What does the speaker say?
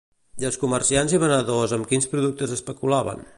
I els comerciants i venedors amb quins productes especulaven?